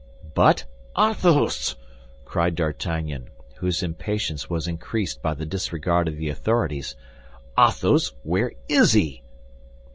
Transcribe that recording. "But Athos!" cried D'Artagnan, whose impatience was increased by the disregard of the authorities, "Athos, where is he?"